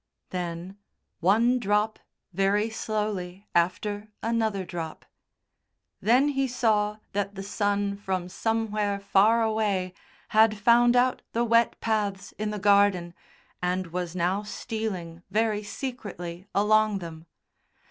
Then one drop very slowly after another drop. Then he saw that the sun from somewhere far away had found out the wet paths in the garden, and was now stealing, very secretly, along them.